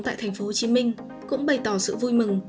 tại tp hcm cũng bày tỏ sự vui mừng